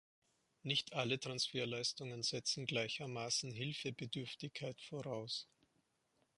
Nicht alle Transferleistungen setzen gleichermaßen Hilfebedürftigkeit voraus.